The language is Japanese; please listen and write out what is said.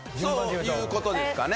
そういうことですかね。